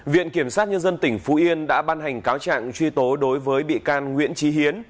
viện kiểm sát nhân dân tỉnh phú yên đã ban hành cáo trạng truy tố đối với bị can nguyễn trí hiến